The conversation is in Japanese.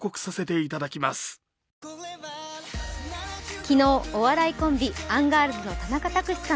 昨日、お笑いコンビ、アンガールズの田中卓志さん